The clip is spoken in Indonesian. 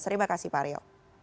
terima kasih pak aryo